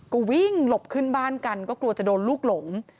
ก็วิ่งหลบขึ้นบ้านกันก็กลัวจะโดนลูกหลง